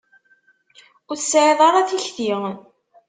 Ur tesεiḍ ara tikti.